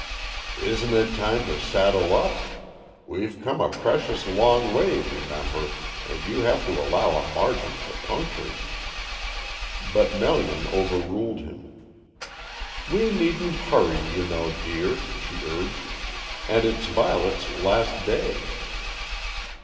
"Isn't it time to saddle up? We've come a precious long way, remember, and you have to allow a margin for punctures." But Melian overruled him. "We needn't hurry, you know, dear," she urged. "And it's Violet's last day."